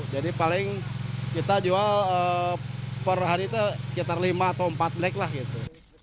jadi paling kita jual per hari itu sekitar lima atau empat blik lah gitu